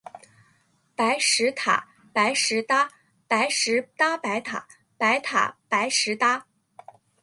白石塔，白石搭。白石搭白塔，白塔白石搭